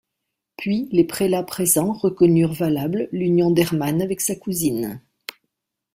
Puis les prélats présents reconnurent valable l'union d'Hermann avec sa cousine.